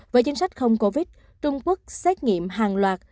với chính sách không covid trung quốc xét nghiệm hàng loạt